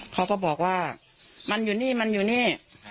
เขาก็บอกว่ามันอยู่นี่มันอยู่นี่